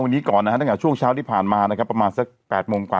วันนี้ก่อนนะฮะตั้งแต่ช่วงเช้าที่ผ่านมานะครับประมาณสัก๘โมงกว่า